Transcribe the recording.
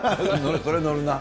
それ乗るな。